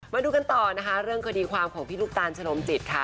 มาดูกันต่อนะคะเรื่องคดีความของพี่ลูกตาลชนมจิตค่ะ